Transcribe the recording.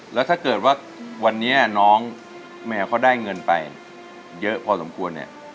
แล้วถ้าเกิดว่าวันนี้น้องแมวเขาได้เงินไปเยอะพอสมควรเนี่ย